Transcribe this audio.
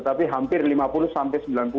tapi hampir lima puluh sembilan puluh mbak